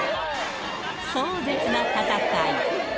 壮絶な戦い。